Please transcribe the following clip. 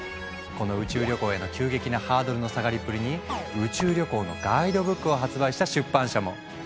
この宇宙旅行への急激なハードルの下がりっぷりに宇宙旅行のガイドブックを発売した出版社も！